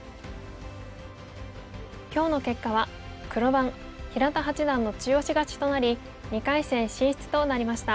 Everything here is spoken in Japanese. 今日の結果は黒番平田八段の中押し勝ちとなり２回戦進出となりました。